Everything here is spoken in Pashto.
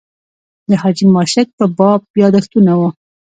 د حاجي ماشک په باب یاداښتونه و.